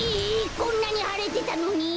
こんなにはれてたのに？